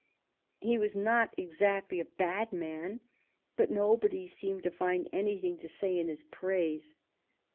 He was not exactly a bad man, but nobody seemed to find anything to say in his praise.